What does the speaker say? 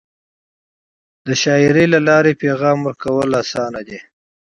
د شاعری له لارې پیغام ورکول اسانه دی.